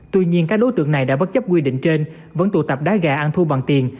tuy nhiên các đối tượng này đã bất chấp quy định trên vẫn tụ tập đá gà ăn thu bằng tiền